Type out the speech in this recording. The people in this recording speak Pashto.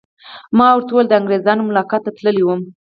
ما ورته وویل: د انګریزانو ملاقات ته تللی وم.